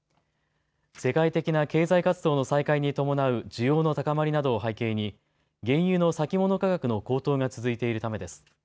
世界的な経済活動の再開に伴う需要の高まりなどを背景に原油の先物価格の高騰が続いているためです。